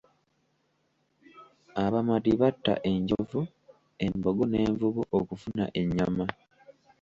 Abamadi batta enjovu, embogo n'envubu okufuna ennyama.